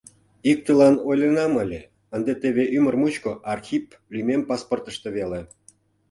Иктылан ойленам ыле, ынде теве ӱмыр мучко Архип лӱмем паспортышто веле...